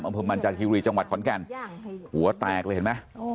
อำเภอมันจากคิรีจังหวัดขอนแก่นหัวแตกเลยเห็นไหม